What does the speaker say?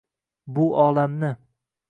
Bu olamni